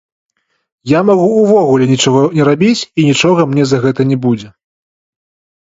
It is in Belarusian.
Я магу ўвогуле нічога не рабіць, і нічога мне за гэта не будзе.